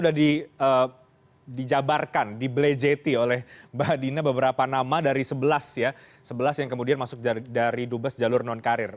sudah dijabarkan dibelejeti oleh mbak dina beberapa nama dari sebelas ya sebelas yang kemudian masuk dari dubes jalur non karir